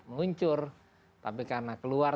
meluncur tapi karena keluar